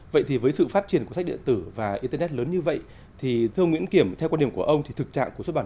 vậy thì với sự phát triển của sách điện tử và internet lớn như vậy thì thưa ông nguyễn kiểm theo quan điểm của ông thì thực trạng của xuất bản